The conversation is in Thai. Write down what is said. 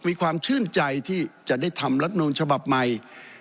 มีความชื่นใจที่จะได้ทำรัฐนูลฉบับใหม่